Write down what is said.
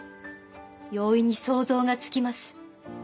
容易に想像がつきます。